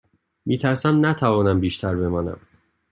می ترسم نتوانم بیشتر بمانم.